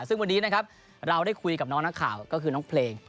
ซึ่งวันนี้นะครับเราได้คุยกับน้องนักข่าวก็คือน้องเพลง